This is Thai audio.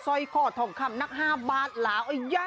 ซอยขอดถอมคลำนักห้าบ้านหลา